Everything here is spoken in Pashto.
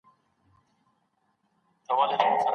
زه تللی وای.